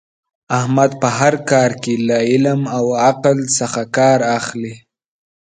احمد په هر کار کې له علم او عقل څخه کار اخلي.